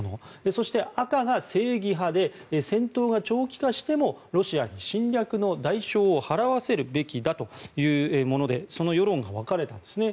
そして、赤が正義派で戦闘が長期化してもロシアに侵略の代償を払わせるべきだというものでその世論が分かれていますね。